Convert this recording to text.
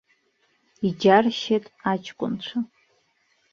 Иџьаршьеит аҷкәынцәа.